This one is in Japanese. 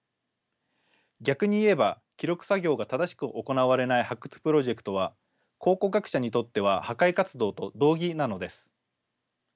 逆に言えば記録作業が正しく行われない発掘プロジェクトは考古学者にとっては破壊活動と同義なのです。